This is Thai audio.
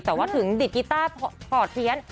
แต่ว่าถึงดิดกีต้าถอดเพี้ยน